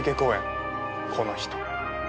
この人。